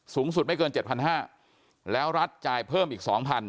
สูงสุดไม่เกิน๗๕๐๐แล้วรัฐจ่ายเพิ่มอีก๒๐๐